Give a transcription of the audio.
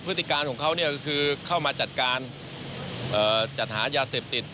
ติการของเขาก็คือเข้ามาจัดการจัดหายาเสพติด